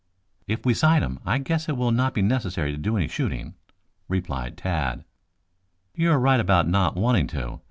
"If we sight him I guess it will not be necessary to do any shooting," replied Tad. "You are right about not wanting to.